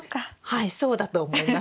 はいそうだと思います。